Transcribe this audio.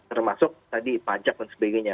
termasuk tadi pajak dan sebagainya